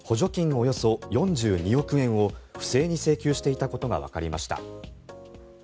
およそ４２億円を不正に請求していたことがわかりました。